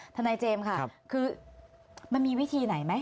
ทนายเจมส์ค่ะคือมันมีวิธีไหนไหม